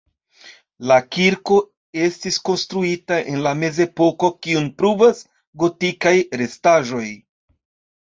La kirko estis konstruita en la mezepoko, kiun pruvas gotikaj restaĵoj.